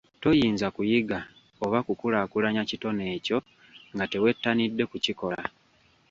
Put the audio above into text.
Toyinza kuyiga oba kukulaakulanya kitone ekyo nga tewettanidde kukikola.